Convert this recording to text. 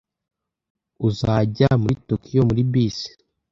Uzajya muri Tokiyo muri bisi?